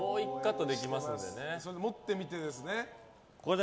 持ってみてですね。